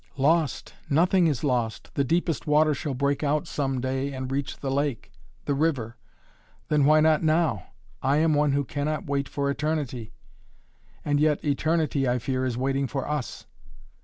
"Lost nothing is lost. The deepest water shall break out some day and reach the lake the river. Then, why not now? I am one who cannot wait for eternity." "And yet, eternity I fear, is waiting for us!"